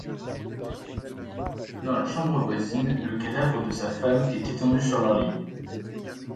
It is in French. Dans la chambre voisine, le cadavre de sa femme est étendu sur leur lit.